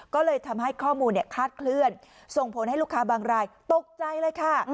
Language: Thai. ก็เลยทำให้ข้อมูลคลาดเคลื่อนส่งผลให้ลูกค้าบางรายตกใจเลยค่ะ